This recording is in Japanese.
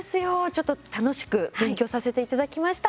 ちょっと楽しく勉強させていただきました。